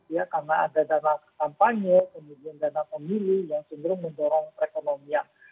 ya karena ada dana kampanye kemudian dana pemilu yang cenderung mendorong perekonomian